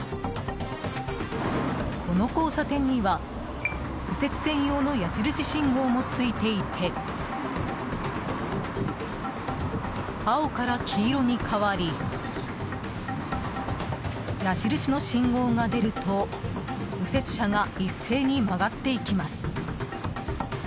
この交差点には右折専用の矢印信号もついていて青から黄色に変わり矢印の信号が出ると右折車が一斉に曲がっていきます。